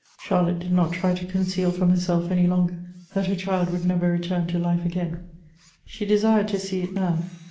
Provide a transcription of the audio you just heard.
Charlotte did not try to conceal from herself any longer that her child would never return to life again. She desired to see it now.